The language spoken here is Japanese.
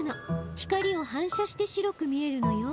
光を反射して白く見えるのよ。